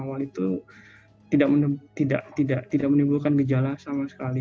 awal itu tidak menimbulkan gejala sama sekali